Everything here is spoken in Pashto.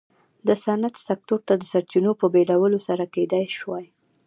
د صنعت سکتور ته د سرچینو په بېلولو سره کېدای شوای.